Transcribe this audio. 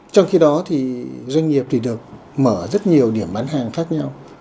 trong khi đó doanh nghiệp được mở rất nhiều điểm bán hàng khác nhau